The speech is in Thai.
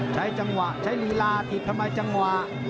ใช้จังหวะใช้ลีลาติดทำไมจังหวะ